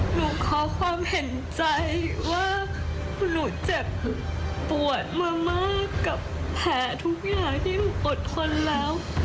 หนูขอความเห็นใจว่าหนูเจ็บปวดมามากกับแผลทุกอย่างที่หนูอดทนแล้ว